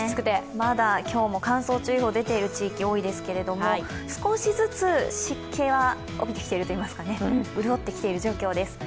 まだ今日も乾燥注意報が出ている地域が多いですけれども、少しずつ湿気は帯びてきているといいますか、潤ってきている状況です。